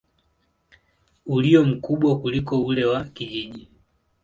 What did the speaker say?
ulio mkubwa kuliko ule wa kijiji.